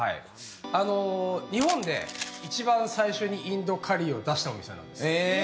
日本で一番最初にインドカリーを出したお店なんです。